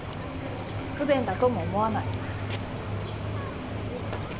不便だとも思わない。